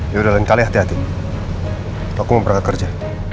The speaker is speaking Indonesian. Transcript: yaudah lain kali hati hati aku mau pergi kerja